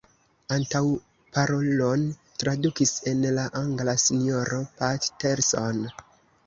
Antaŭparolon tradukis el la angla Sinjoro Patterson.